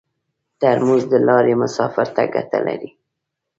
ترموز د لارې مسافر ته ګټه لري.